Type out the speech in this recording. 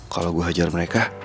kalo gue ajar mereka